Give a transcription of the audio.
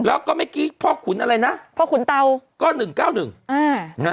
แล้วก็เมื่อกี้พ่อขุนอะไรนะพ่อขุนเตาก็หนึ่งเก้าหนึ่งอ่านะฮะ